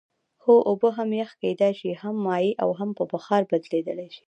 هو اوبه هم یخ کیدای شي هم مایع او هم په بخار بدلیدلی شي